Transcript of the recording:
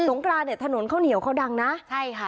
งกรานเนี่ยถนนข้าวเหนียวเขาดังนะใช่ค่ะ